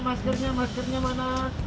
maskernya maskernya mana